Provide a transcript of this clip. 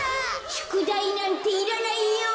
「しゅくだいなんていらないよ！」。